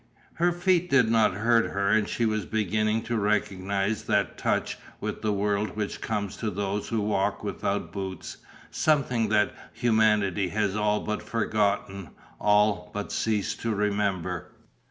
Her feet did not hurt her and she was beginning to recognise that touch with the world which comes to those who walk without boots, something that humanity has all but forgotten, all but ceased to remember.